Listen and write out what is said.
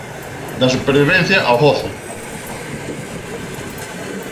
Da supervivencia ao goce.